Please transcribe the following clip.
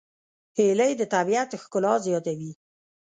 هیلۍ د طبیعت ښکلا زیاتوي